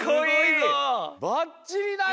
ばっちりだよ！